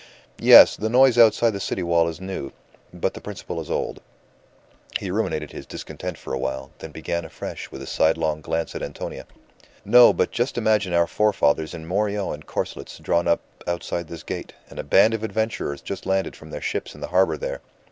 "Yes, the noise outside the city wall is new, but the principle is old." He ruminated his discontent for a while, then began afresh with a sidelong glance at Antonia "No, but just imagine our forefathers in morions and corselets drawn up outside this gate, and a band of adventurers just landed from their ships in the harbour there.